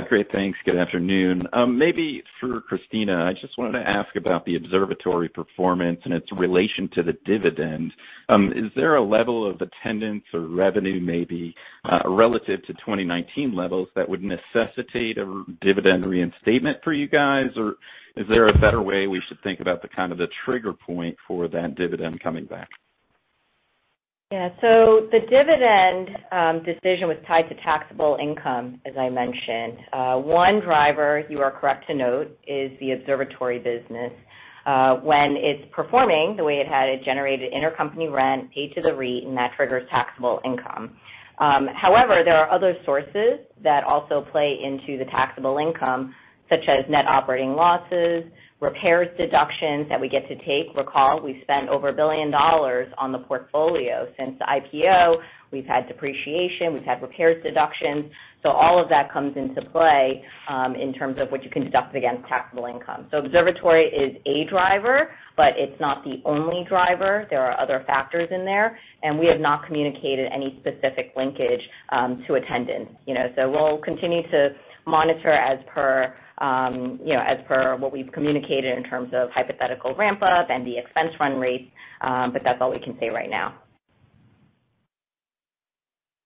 Great, thanks. Good afternoon. Maybe for Christina, I just wanted to ask about the Observatory performance and its relation to the dividend. Is there a level of attendance or revenue maybe, relative to 2019 levels that would necessitate a dividend reinstatement for you guys? Or is there a better way we should think about the kind of the trigger point for that dividend coming back? The dividend decision was tied to taxable income, as I mentioned. One driver, you are correct to note, is the Observatory business. When it's performing the way it had, it generated intercompany rent paid to the REIT, and that triggers taxable income. However, there are other sources that also play into the taxable income, such as net operating losses, repairs deductions that we get to take. Recall, we've spent over $1 billion on the portfolio since the IPO. We've had depreciation, we've had repairs deductions. All of that comes into play in terms of what you can deduct against taxable income. Observatory is a driver, but it's not the only driver. There are other factors in there, and we have not communicated any specific linkage to attendance. We'll continue to monitor as per what we've communicated in terms of hypothetical ramp-up and the expense run rates. That's all we can say right now.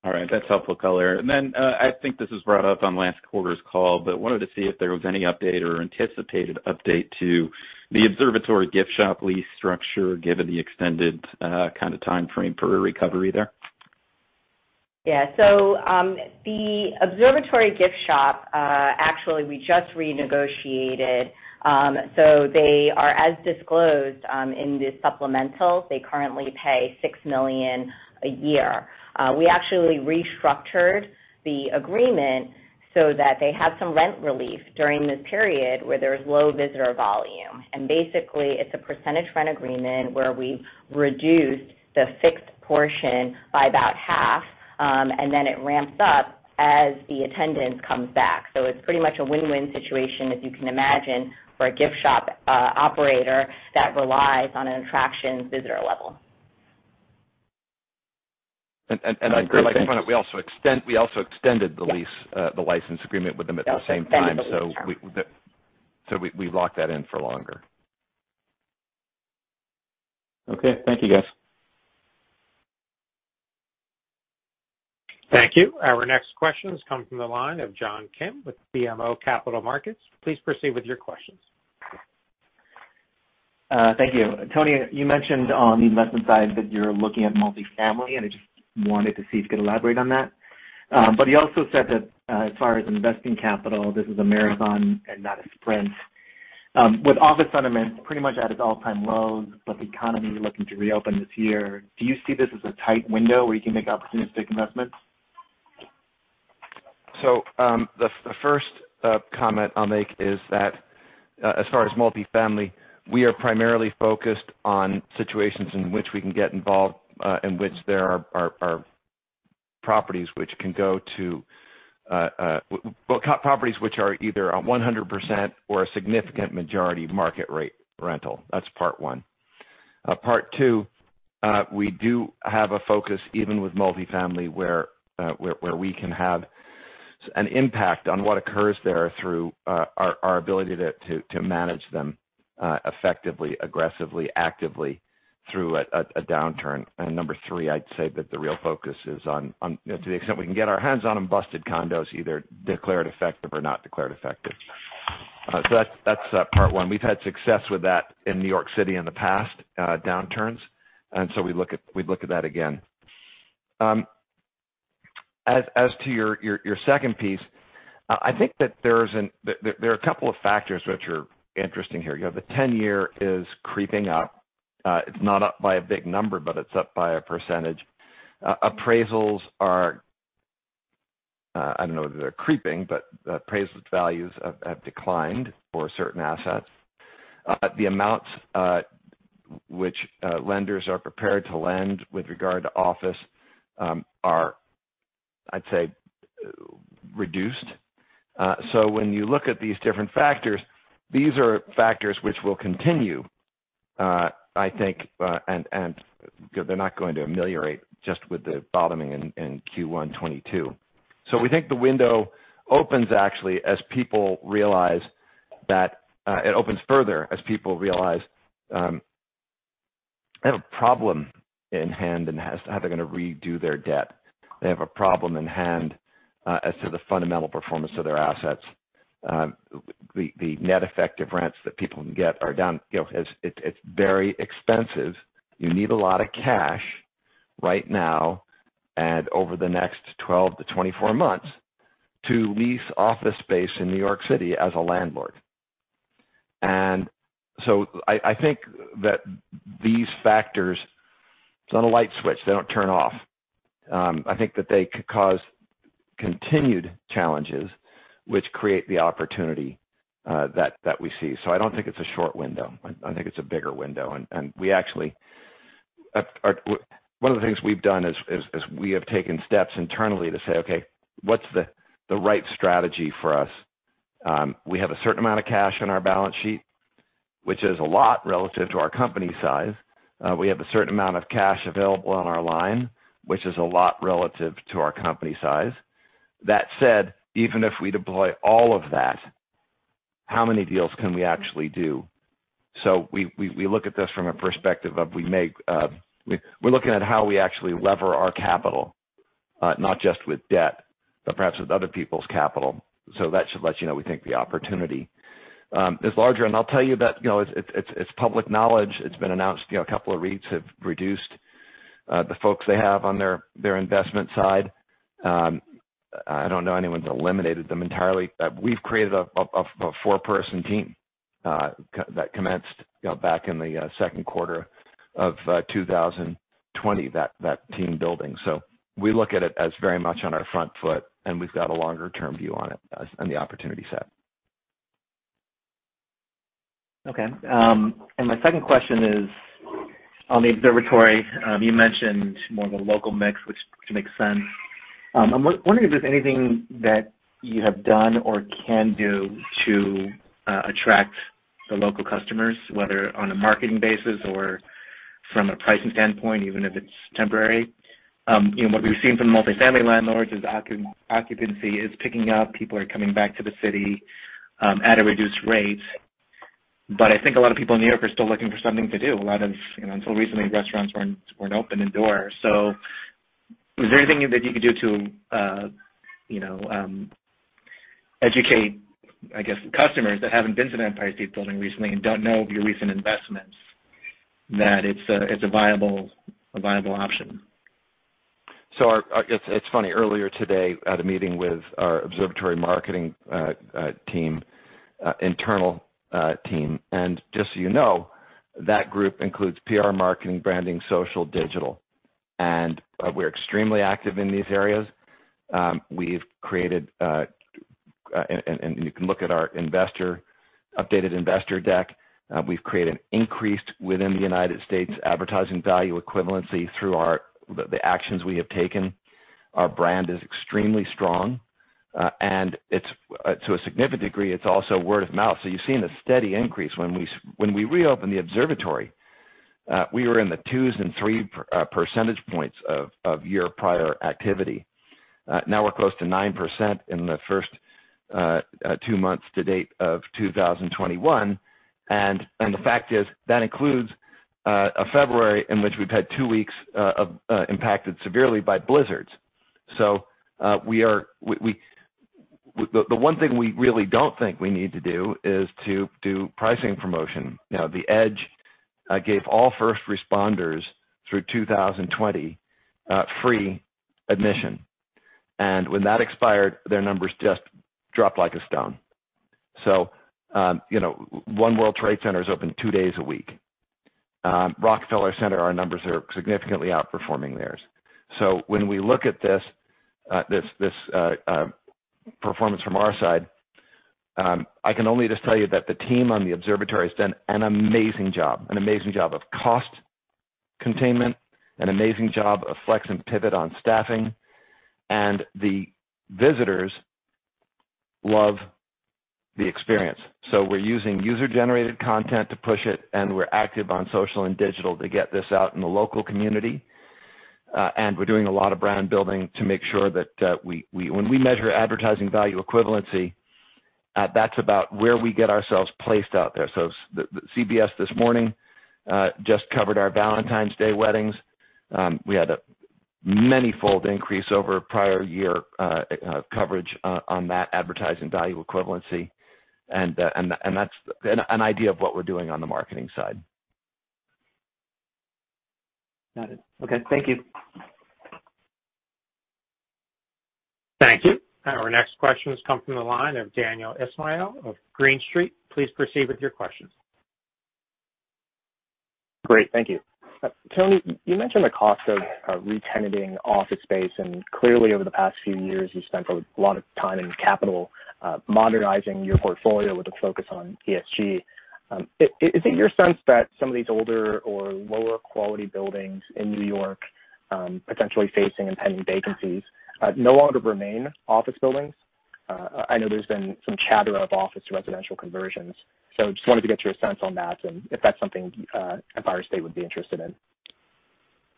All right. That's helpful color. I think this was brought up on last quarter's call, wanted to see if there was any update or anticipated update to the Observatory gift shop lease structure, given the extended kind of time frame for a recovery there. Yeah. The Observatory gift shop, actually, we just renegotiated. They are as disclosed in the supplemental. They currently pay $6 million a year. We actually restructured the agreement so that they have some rent relief during this period where there's low visitor volume. Basically it's a percentage rent agreement where we reduced the fixed portion by about half, and then it ramps up as the attendance comes back. It's pretty much a win-win situation, as you can imagine, for a gift shop operator that relies on an attraction visitor level. I'd like to point out, we also extended the license agreement with them at the same time. Extended the lease term. We locked that in for longer. Okay. Thank you, guys. Thank you. Our next questions come from the line of John Kim with BMO Capital Markets. Please proceed with your questions. Thank you. Tony, you mentioned on the investment side that you're looking at multifamily, and I just wanted to see if you could elaborate on that. You also said that as far as investing capital, this is a marathon and not a sprint. With office fundamentals pretty much at its all-time lows, but the economy looking to reopen this year, do you see this as a tight window where you can make opportunistic investments? The first comment I'll make is that, as far as multifamily, we are primarily focused on situations in which we can get involved, in which there are properties which are either 100% or a significant majority market rate rental. Part one. Part two, we do have a focus, even with multifamily, where we can have an impact on what occurs there through our ability to manage them effectively, aggressively, actively through a downturn. Number three, I'd say that the real focus is on, to the extent we can get our hands on them, busted condos, either declared effective or not declared effective. That's part one. We've had success with that in New York City in the past downturns, we'd look at that again. As to your second piece, I think that there are a couple of factors which are interesting here. You have the 10-year is creeping up. It's not up by a big number, but it's up by a percentage. Appraisals are, I don't know that they're creeping, but appraised values have declined for certain assets. The amounts which lenders are prepared to lend with regard to office are, I'd say, reduced. When you look at these different factors, these are factors which will continue, I think, and they're not going to ameliorate just with the bottoming in Q1 2022. We think the window opens further as people realize they have a problem in hand in how they're going to redo their debt. They have a problem in hand as to the fundamental performance of their assets. The net effect of rents that people can get are down. It's very expensive. You need a lot of cash right now and over the next 12-24 months to lease office space in New York City as a landlord. I think that these factors, it's not a light switch. They don't turn off. I think that they could cause continued challenges, which create the opportunity that we see. I don't think it's a short window. I think it's a bigger window. One of the things we've done is we have taken steps internally to say, "Okay, what's the right strategy for us?" We have a certain amount of cash on our balance sheet, which is a lot relative to our company size. We have a certain amount of cash available on our line, which is a lot relative to our company size. That said, even if we deploy all of that, how many deals can we actually do? We look at this from a perspective of we're looking at how we actually lever our capital, not just with debt, but perhaps with other people's capital. That should let you know we think the opportunity is larger. I'll tell you that it's public knowledge. It's been announced a couple of REITs have reduced the folks they have on their investment side. I don't know anyone's eliminated them entirely, but we've created a four-person team that commenced back in the second quarter of 2020. We look at it as very much on our front foot, and we've got a longer-term view on it and the opportunity set. My second question is on the Observatory. You mentioned more of a local mix, which makes sense. I'm wondering if there's anything that you have done or can do to attract the local customers, whether on a marketing basis or from a pricing standpoint, even if it's temporary. What we've seen from multifamily landlords is occupancy is picking up. People are coming back to the city at a reduced rate. I think a lot of people in New York are still looking for something to do. Until recently, restaurants weren't open indoors. Is there anything that you could do to educate, I guess, customers that haven't been to the Empire State Building recently and don't know of your recent investments, that it's a viable option? It's funny. Earlier today, I had a meeting with our Observatory marketing internal team. Just so you know, that group includes PR, marketing, branding, social, digital, and we're extremely active in these areas. You can look at our updated investor deck. We've created increased within the U.S. advertising value equivalency through the actions we have taken. Our brand is extremely strong, and to a significant degree, it's also word of mouth. You've seen a steady increase. When we reopened the Observatory, we were in the two and three percentage points of year prior activity. Now we're close to 9% in the first two months to date of 2021, and the fact is that includes a February in which we've had two weeks impacted severely by blizzards. The one thing we really don't think we need to do is to do pricing promotion. The Edge gave all first responders through 2020 free admission, and when that expired, their numbers just dropped like a stone. One World Trade Center is open two days a week. Rockefeller Center, our numbers are significantly outperforming theirs. When we look at this performance from our side, I can only just tell you that the team on the observatory has done an amazing job. An amazing job of cost containment, an amazing job of flex and pivot on staffing, and the visitors love the experience. We're using user-generated content to push it, and we're active on social and digital to get this out in the local community. We're doing a lot of brand building to make sure that when we measure advertising value equivalency, that's about where we get ourselves placed out there. CBS This Morning just covered our Valentine's Day weddings. We had a many fold increase over prior year coverage on that advertising value equivalency, and that's an idea of what we're doing on the marketing side. Got it. Okay. Thank you. Thank you. Our next question has come from the line of Daniel Ismail of Green Street. Please proceed with your questions. Great. Thank you. Tony, you mentioned the cost of re-tenanting office space. Clearly, over the past few years, you've spent a lot of time and capital modernizing your portfolio with a focus on ESG. Is it your sense that some of these older or lower quality buildings in New York, potentially facing impending vacancies, no longer remain office buildings? I know there's been some chatter of office residential conversions. Just wanted to get your sense on that and if that's something Empire State would be interested in.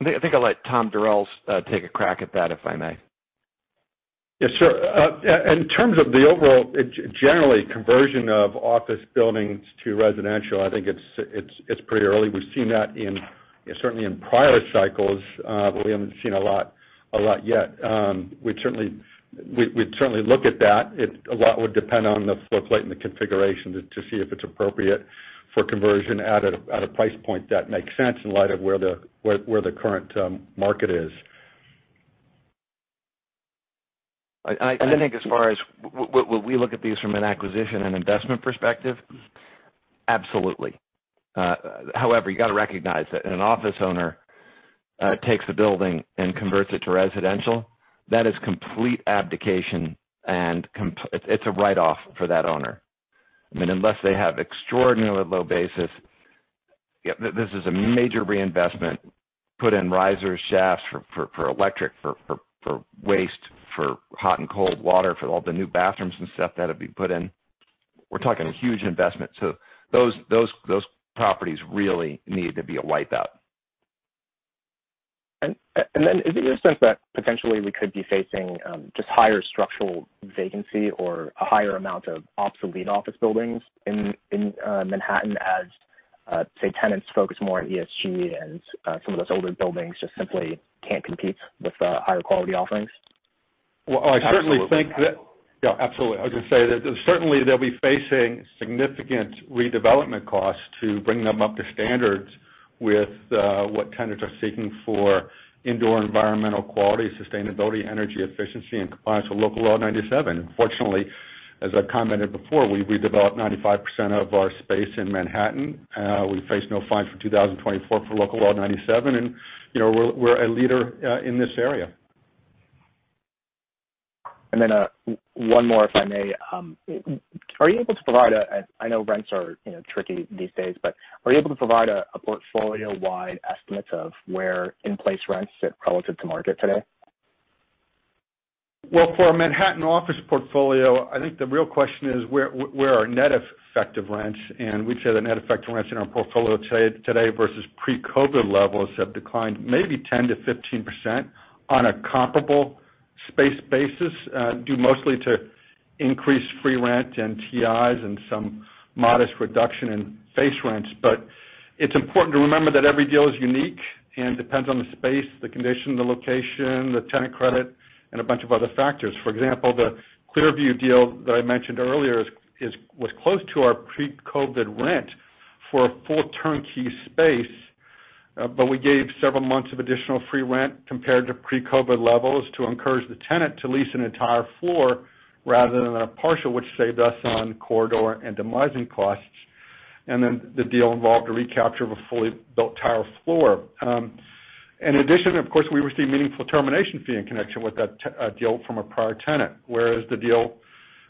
I think I'll let Tom Durels take a crack at that, if I may. Yes, sure. In terms of the overall, generally conversion of office buildings to residential, I think it's pretty early. We've seen that certainly in prior cycles. We haven't seen a lot yet. We'd certainly look at that. A lot would depend on the floor plate and the configuration to see if it's appropriate for conversion at a price point that makes sense in light of where the current market is. I think as far as we look at these from an acquisition and investment perspective, absolutely. However, you got to recognize that an office owner takes a building and converts it to residential. That is complete abdication, and it's a write-off for that owner. Unless they have extraordinarily low basis, this is a major reinvestment. Put in risers, shafts for electric, for waste, for hot and cold water, for all the new bathrooms and stuff that'll be put in. We're talking huge investment. Those properties really need to be a wipe-out. Is it your sense that potentially we could be facing just higher structural vacancy or a higher amount of obsolete office buildings in Manhattan, as, say, tenants focus more on ESG and some of those older buildings just simply can't compete with higher quality offerings? Well, I certainly think that- Absolutely. Absolutely. I was going to say that certainly they'll be facing significant redevelopment costs to bring them up to standards with what tenants are seeking for indoor environmental quality, sustainability, energy efficiency, and compliance with Local Law 97. Fortunately, as I've commented before, we developed 95% of our space in Manhattan. We face no fines for 2024 for Local Law 97, and we're a leader in this area. One more, if I may. I know rents are tricky these days, but are you able to provide a portfolio-wide estimate of where in-place rents sit relative to market today? For our Manhattan office portfolio, I think the real question is where are net effective rents, and we'd say the net effective rents in our portfolio today versus pre-COVID levels have declined maybe 10%-15% on a comparable space basis, due mostly to increased free rent and TIs and some modest reduction in base rents. It's important to remember that every deal is unique and depends on the space, the condition, the location, the tenant credit, and a bunch of other factors. For example, the ClearView deal that I mentioned earlier was close to our pre-COVID rent for a full turnkey space. We gave several months of additional free rent compared to pre-COVID levels to encourage the tenant to lease an entire floor rather than a partial, which saved us on corridor and demising costs. The deal involved a recapture of a fully built entire floor. In addition, of course, we received meaningful termination fee in connection with that deal from a prior tenant, whereas the deal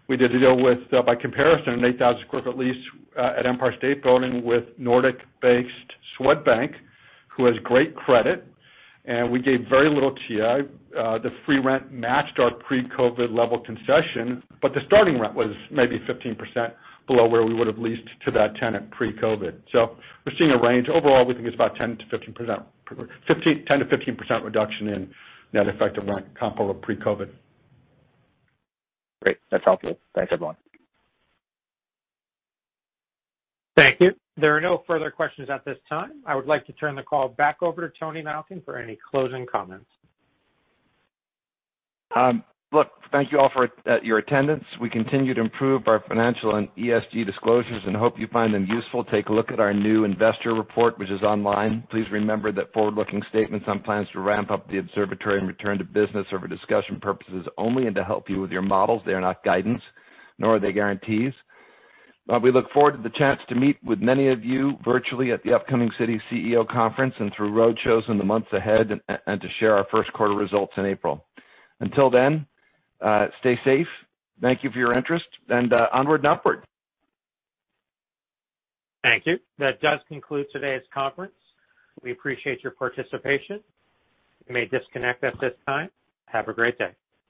we did with, by comparison, an 8,000 sq ft lease at Empire State Building with Nordic-based Swedbank, who has great credit, and we gave very little TI. The free rent matched our pre-COVID level concession, but the starting rent was maybe 15% below where we would've leased to that tenant pre-COVID. We're seeing a range. Overall, we think it's about 10% to 15% reduction in net effective rent comparable pre-COVID. Great. That's helpful. Thanks, everyone. Thank you. There are no further questions at this time. I would like to turn the call back over to Tony Malkin for any closing comments. Look, thank you all for your attendance. We continue to improve our financial and ESG disclosures and hope you find them useful. Take a look at our new investor report, which is online. Please remember that forward-looking statements on plans to ramp up the Observatory and return to business are for discussion purposes only and to help you with your models. They are not guidance, nor are they guarantees. We look forward to the chance to meet with many of you virtually at the upcoming Citi CEO conference and through roadshows in the months ahead, and to share our first quarter results in April. Until then, stay safe, thank you for your interest, and onward and upward. Thank you. That does conclude today's conference. We appreciate your participation. You may disconnect at this time. Have a great day.